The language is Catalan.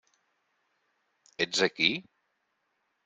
Ets aquí?